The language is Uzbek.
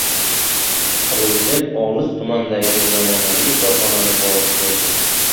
Prezident olis tumandagi zamonaviy korxonani borib ko‘rdi